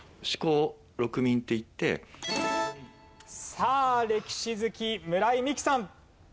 さあ歴史好き村井美樹さん。